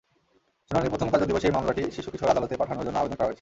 শুনানির প্রথম কার্যদিবসেই মামলাটি শিশু-কিশোর আদালতে পাঠানোর জন্য আবেদন করা হয়েছে।